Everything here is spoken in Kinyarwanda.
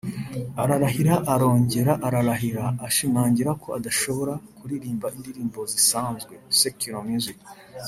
ararahira arongera ararahira ashimangira ko adashobora kuririmba indirimbo zisanzwe (secular music)